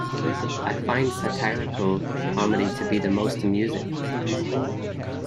I find satirical comedy to be the most amusing.